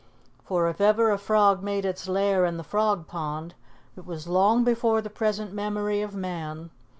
For if ever a frog made its lair in the Frog Pond, it was long before the present memory of man.